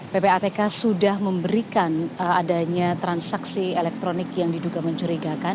ppatk sudah memberikan adanya transaksi elektronik yang diduga mencurigakan